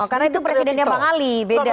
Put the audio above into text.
karena itu presidennya bang ali beda